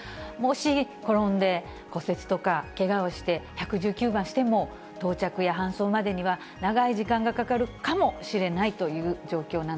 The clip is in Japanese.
もし転んで骨折とか、けがをして、１１９番しても、到着や搬送までには長い時間がかかるかもしれないという状況